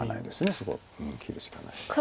そこを切るしかないです。